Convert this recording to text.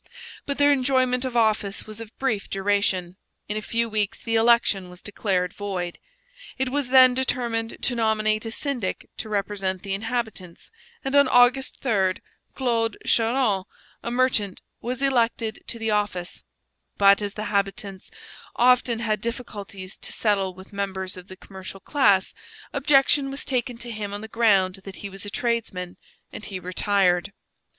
But their enjoyment of office was of brief duration; in a few weeks the election was declared void, It was then determined to nominate a syndic to represent the inhabitants, and on August 3 Claude Charron, a merchant, was elected to the office; but, as the habitants often had difficulties to settle with members of the commercial class, objection was taken to him on the ground that he was a tradesman, and he retired.